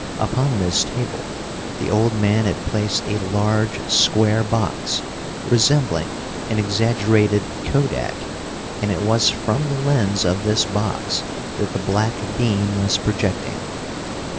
Upon this table the old man had placed a large, square box, resembling an exaggerated kodak, and it was from the lens of this box that the black beam was projecting.